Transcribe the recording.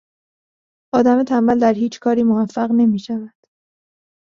آدم تنبل در هیچ کاری موفق نمیشود.